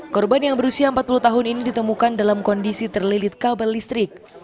korban yang berusia empat puluh tahun ini ditemukan dalam kondisi terlilit kabel listrik